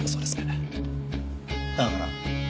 だから？